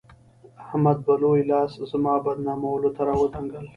احمد به لوی لاس زما بدنامولو ته راودانګل.